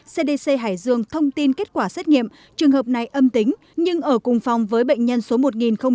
cdc hải dương thông tin kết quả xét nghiệm trường hợp này âm tính nhưng ở cùng phòng với bệnh nhân số một nghìn ba mươi bốn